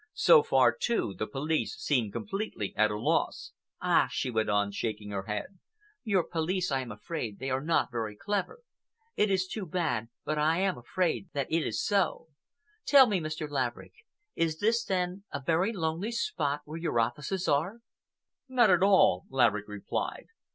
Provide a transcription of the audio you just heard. So far, too, the police seem completely at a loss." "Ah!" she went on, shaking her head, "your police, I am afraid they are not very clever. It is too bad, but I am afraid that it is so. Tell me, Mr. Laverick, is this, then, a very lonely spot where your offices are?" "Not at all," Laverick replied.